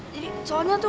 jadi soalnya tuh